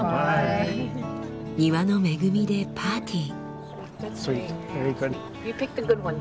庭の恵みでパーティー。